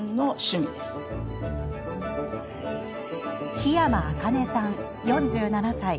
桧山あかねさん、４７歳。